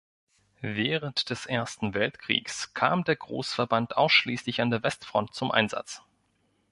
Während des Ersten Weltkriegs kam der Großverband ausschließlich an der Westfront zum Einsatz.